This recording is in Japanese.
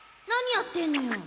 何やってんのよ